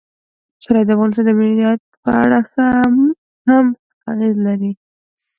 پسرلی د افغانستان د امنیت په اړه هم اغېز لري.